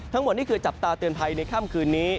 ทั้งหมดนี่คือจับตาเตือนภัยในค่ำคืนนี้